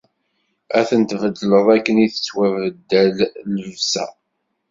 Ad ten-tbeddleḍ akken i tettwabeddal llebsa.